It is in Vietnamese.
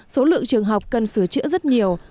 số lượng trường học cần sửa chữa rất nhiều